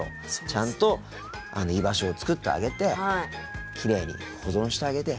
ちゃんと居場所を作ってあげてきれいに保存してあげて。